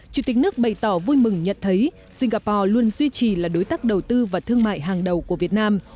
chủ tịch nước bày tỏ vui mừng nhận thấy singapore luôn duy trì là đối tác đầu tư và thương mại hàng đầu của việt nam